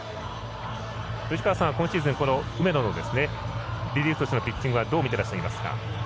今シーズン梅野のリリーフとしてのピッチングはどう見ていらっしゃいますか。